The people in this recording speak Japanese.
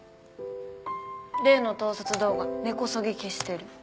例の盗撮動画根こそぎ消してる。